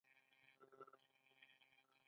دوی د ډبرو سکرو ډېر کانونه لري.